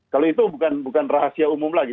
kalau itu bukan rahasia umum lagi